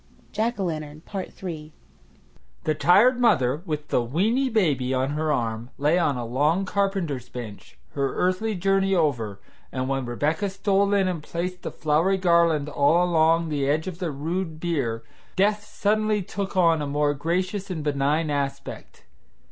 III The tired mother with the "weeny baby" on her arm lay on a long carpenter's bench, her earthly journey over, and when Rebecca stole in and placed the flowery garland all along the edge of the rude bier, death suddenly took on a more gracious and benign aspect.